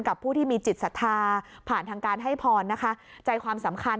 ผู้ที่มีจิตศรัทธาผ่านทางการให้พรนะคะใจความสำคัญ